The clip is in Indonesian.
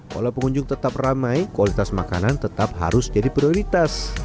walau pengunjung tetap ramai kualitas makanan tetap harus jadi prioritas